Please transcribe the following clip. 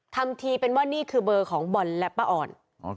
ทำทีเป็นว่านี่คือเบอร์ของบอลและป้าอ่อน